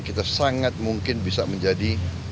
kita sangat mungkin bisa menjadi